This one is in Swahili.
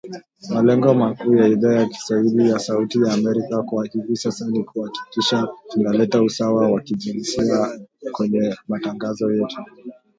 Malengo makuu ya Idhaa ya kiswahili ya Sauti ya Amerika kwa hivi sasa ni kuhakikisha tunaleta usawa wa kijinsia kwenye matangazo yetu